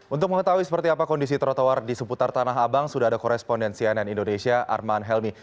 untuk mengetahui seperti apa kondisi trotoar di seputar tanah abang sudah ada koresponden cnn indonesia arman helmi